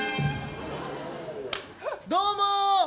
どうも！